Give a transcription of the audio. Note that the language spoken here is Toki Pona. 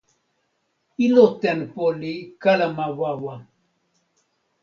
ilo tenpo li kalama wawa.